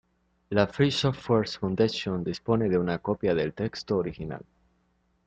La Free Software Foundation dispone de una copia del texto original